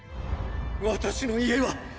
私の家は！！